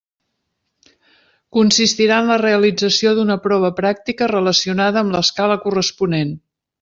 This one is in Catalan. Consistirà en la realització d'una prova pràctica relacionada amb l'escala corresponent.